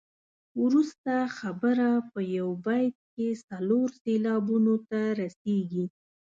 وروسته خبره په یو بیت کې څلور سېلابونو ته رسيږي.